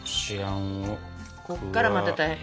こっからまた大変。